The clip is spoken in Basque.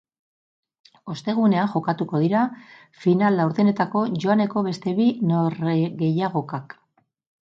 Ostegunean jokatuko dira final-laurdenetako joaneko beste bi noregehiagokak.